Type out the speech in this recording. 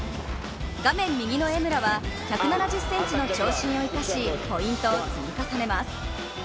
画面右の江村は１７０ｃｍの長身を生かしポイントを積み重ねます。